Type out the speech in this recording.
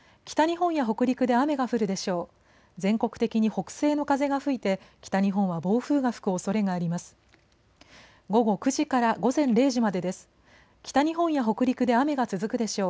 北日本や北陸で雨が降るでしょう。